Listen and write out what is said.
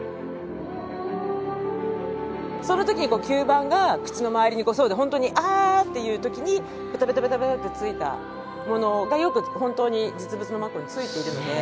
その時に吸盤が口の周りに本当に「あ！」っていう時にベタベタベタベタってついたものがよく本当に実物のマッコウについているので。